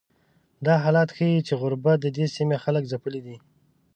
دا حالت ښیي چې غربت ددې سیمې خلک ځپلي دي.